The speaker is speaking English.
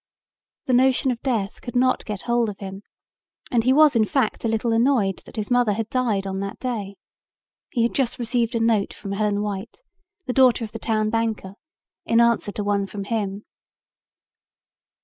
The notion of death could not get hold of him and he was in fact a little annoyed that his mother had died on that day. He had just received a note from Helen White, the daughter of the town banker, in answer to one from him.